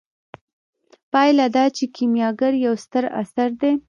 پایله دا چې کیمیاګر یو ستر اثر دی.